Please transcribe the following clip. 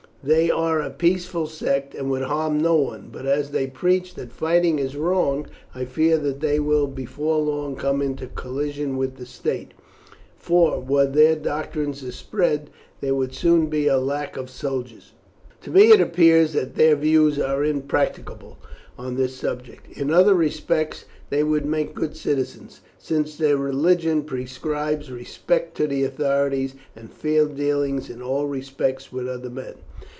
"They are a peaceful sect, and would harm no one; but as they preach that fighting is wrong, I fear that they will before long come into collision with the state, for, were their doctrines to spread, there would soon be a lack of soldiers. To me it appears that their views are impracticable on this subject. In other respects they would make good citizens, since their religion prescribes respect to the authorities and fair dealing in all respects with other men.